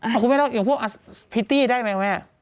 เอาคุณแมวพวกพิตตี้ได้ไหม